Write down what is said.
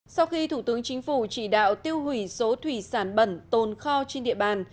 sau khi thủ tướng chính phủ chỉ đạo tiêu hủy số thủy sản bẩn tồn kho trên địa bàn